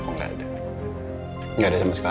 papa cerita sama aku mas